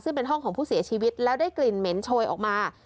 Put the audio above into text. ซึ่งเป็นห้องของผู้เสียชีวิตแล้วได้กลิ่นเหม็นโชยออกมา